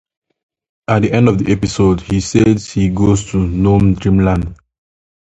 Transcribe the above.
At the end of the episode he says he goes to "Gnome dream land".